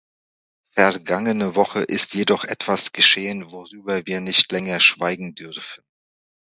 Vergangene Woche ist jedoch etwas geschehen, worüber wir nicht länger schweigen dürfen.